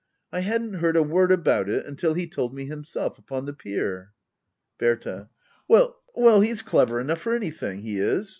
I hadn't heard a word about it^ until he told me himself upon the pier. Berta. Well well, he's clever enough for anything, he is.